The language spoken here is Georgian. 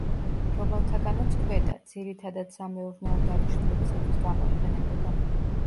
რომელთაგანაც ქვედა, ძირითადად სამეურნეო დანიშნულებისათვის გამოიყენებოდა.